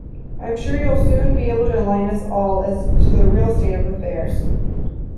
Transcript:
I'm sure you'll soon be able to enlighten us all as to the real state of affairs.